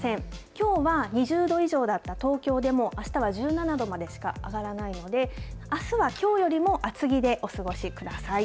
きょうは２０度以上だった東京でも、あしたは１７度までしか上がらないので、あすはきょうよりも厚着でお過ごしください。